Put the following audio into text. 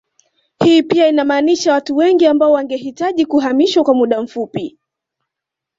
Hii pia inamaanisha watu wengi ambao wangehitaji kuhamishwa kwa muda mfupii